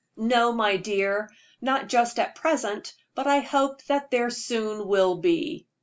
"No, my dear not just at present; but I hope that there soon will be."